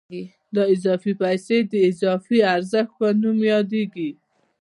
دا اضافي پیسې د اضافي ارزښت په نوم یادېږي